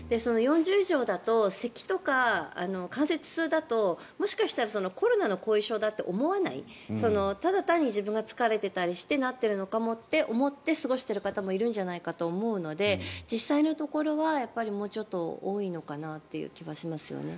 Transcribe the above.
４０以上だとせきとか関節痛だともしかしたらコロナの後遺症だと思わないただ単に自分が疲れていたりしてなっているのかもって思って過ごしている方もいるんじゃないかと思って実際のところはもうちょっと多いのかなという気がしますね。